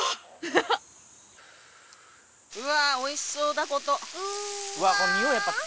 うわあ美味しそうだこと。